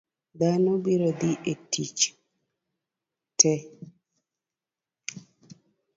Dhano biro dhi e tich ke